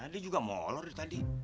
dia juga molor tadi